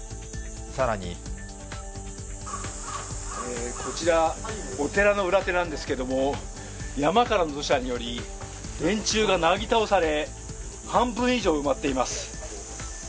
更にこちら、お寺の裏手なんですけども、山からの土砂により電柱がなぎ倒され半分以上、埋まっています。